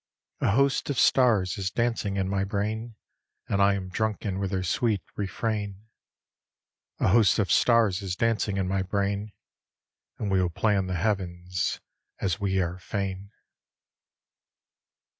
A host of stars is dancing in my brain, And I am drunken with their sweet refrain. A host of stars is dancing in my brain, And we will plan the heavens as we are fain.